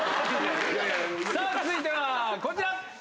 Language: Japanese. さあ、続いてはこちら。